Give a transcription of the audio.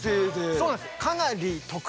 そうなんです。